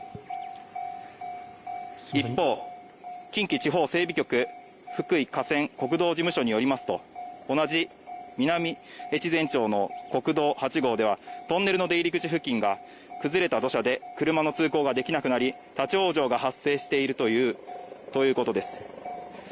一方、近畿地方整備局福井河川国道事務所によりますと同じ南越前町の国道８号ではトンネルの出入り口付近が崩れた土砂で車の通行ができなくなり立往生が発生しているということです。